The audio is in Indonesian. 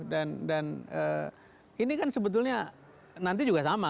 dan ini kan sebetulnya nanti juga sama